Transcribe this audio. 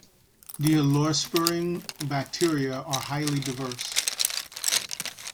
Dehalorespiring bacteria are highly diverse.